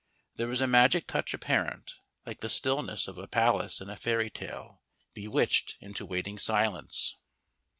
There was a magic touch apparent, like the stillness of a palace in a fairy tale, bewitched into waiting silence.